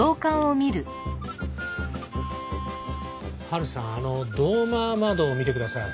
ハルさんあのドーマー窓を見てください。